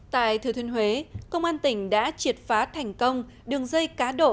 tại thừa thiên huế công an tỉnh đã triệt phá thành công đường dây cá độ